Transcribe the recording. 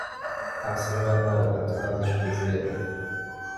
تقصیر من نبود، حتی نذاشت توضیح بدم